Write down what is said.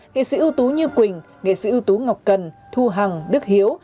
nghệ sĩ ưu tú như quỳnh nghệ sĩ ưu tú ngọc cần thu hằng đức hiếu